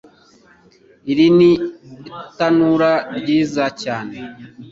Iri ni itanura ryiza cyane